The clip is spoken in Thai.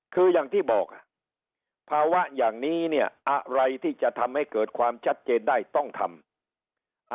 คืออย่างที่บอกภาวะอย่างนี้เนี่ยอะไรที่จะทำให้เกิดความชัดเจนได้ต้องทำ